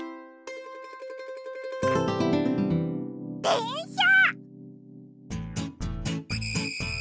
でんしゃ。